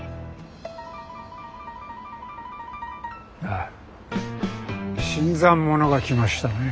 ああ新参者が来ましたね。